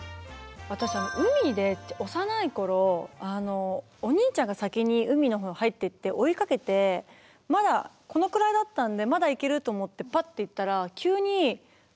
私海で幼い頃お兄ちゃんが先に海の方に入っていって追いかけてまだこのくらいだったんでまだ行けると思ってパッて行ったら急にこう。